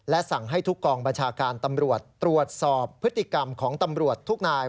สั่งให้ทุกกองบัญชาการตำรวจตรวจสอบพฤติกรรมของตำรวจทุกนาย